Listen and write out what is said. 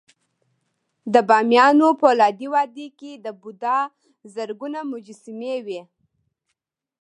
د بامیانو د فولادي وادي کې د بودا زرګونه مجسمې وې